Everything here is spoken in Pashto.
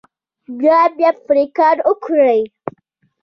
بیا بیا پرې کار وکړئ.